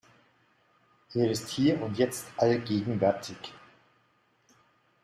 Er ist hier und jetzt allgegenwärtig.